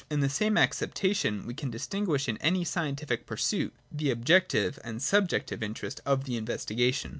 In the same accept ation we can distinguish in any scientific pursuit the objective and the subjective interest of the investigation.